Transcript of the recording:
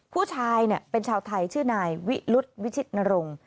ผู้ชายเป็นชาวไทยชื่อนายวิรุธวิชิตนรงค์